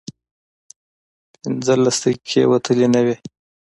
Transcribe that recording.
پينځلس دقيقې وتلې نه وې.